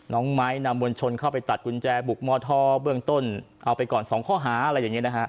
ไม้นำมวลชนเข้าไปตัดกุญแจบุกมทเบื้องต้นเอาไปก่อน๒ข้อหาอะไรอย่างนี้นะฮะ